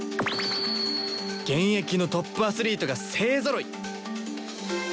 現役のトップアスリートが勢ぞろい！